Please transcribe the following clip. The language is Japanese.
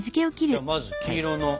じゃあまず黄色の。